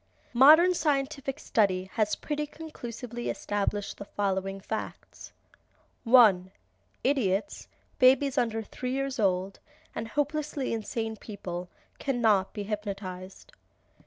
Modern scientific study has pretty conclusively established the following facts: 1. Idiots, babies under three years old, and hopelessly insane people cannot be hypnotized.